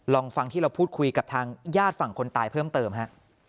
ลองฟังที่เราพูดคุยกับทางญาติฝั่งคนตายเพิ่มเติมฮะ